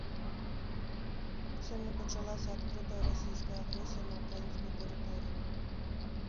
Сёння пачалася адкрытая расійская агрэсія на ўкраінскую тэрыторыю.